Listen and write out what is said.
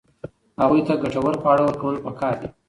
هغوی ته ګټور خواړه ورکول پکار دي.